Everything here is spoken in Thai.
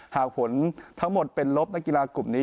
หากผลทั้งหมดเป็นลบนักกีฬากลุ่มนี้